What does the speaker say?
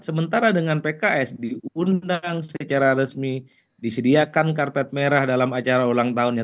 sementara dengan pks diundang secara resmi disediakan karpet merah dalam acara ulang tahunnya